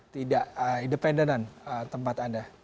tidak independenan tempat anda